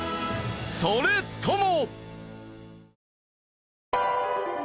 それとも！